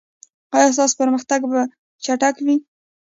ایا ستاسو پرمختګ به چټک وي؟